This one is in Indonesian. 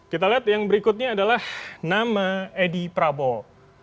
kita lihat yang berikutnya adalah nama edi prabowo